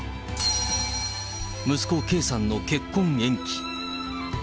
息子、圭さんの結婚延期。